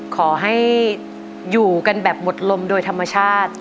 ขอให้อยู่กันแบบหมดลมโดยธรรมชาติ